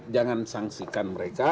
jangan sanksikan mereka